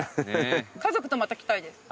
家族とまた来たいです。